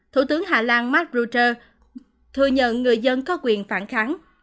thủ tướng hà lan mark rutcher thừa nhận người dân có quyền phản kháng